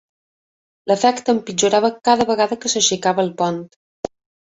L'efecte empitjorava cada vegada que s'aixecava el pont.